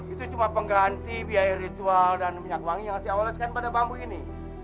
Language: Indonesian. itu cuma pengganti biaya ritual dan minyak wangi yang saya oleskan pada bambu ini